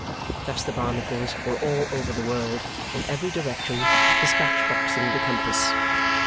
Thus the Barnacles were all over the world, in every direction despatch boxing the compass.